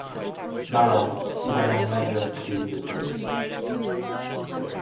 Marand is among major cities in the province.